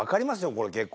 これ結構。